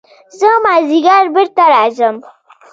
زه مازديګر بېرته راځم.